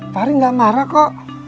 fahri nggak marah kok